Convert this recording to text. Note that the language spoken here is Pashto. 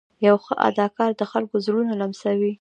یو ښه اداکار د خلکو زړونه لمسوي.